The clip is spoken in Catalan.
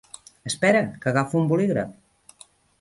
Espera, que agafo un bolígraf.